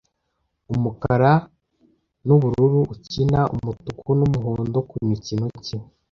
Umukara n'Ubururu ukina Umutuku n'Umuhondo ku mukino ki